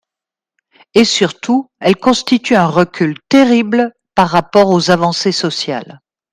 Et surtout, elle constitue un recul terrible par rapport aux avancées sociales.